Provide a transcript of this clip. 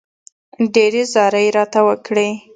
ډېرې زارۍ راته وکړې.